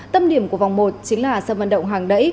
tâm điểm của vòng một chính là sân vận động hàng đẩy